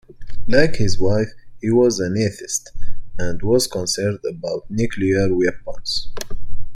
Like his wife, he was an atheist, and was concerned about nuclear weapons.